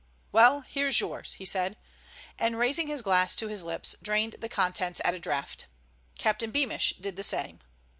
"Well, here's yours," he said, and raising his glass to his lips, drained the contents at a draught. Captain Beamish did the same.